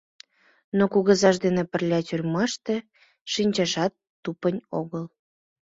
Но кугызаж дене пырля тюрьмаште шинчашат тупынь огыл.